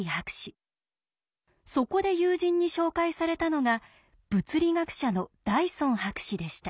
そこで友人に紹介されたのが物理学者のダイソン博士でした。